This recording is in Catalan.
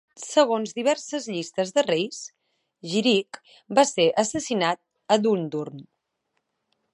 Segons diverses llistes de reis, Giric va ser assassinat a Dundurn.